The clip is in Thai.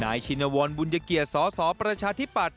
นายชินวรบุญเกียร์สสประชาธิบัติ